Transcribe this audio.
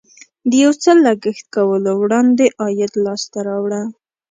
د یو څه لګښت کولو وړاندې عاید لاسته راوړه.